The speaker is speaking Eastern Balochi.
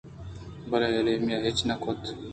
بلئے ایمیلیاءَ ہچ نہ کُت